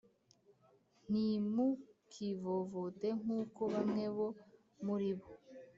Ntimukivovote nk uko bamwe bo muri bo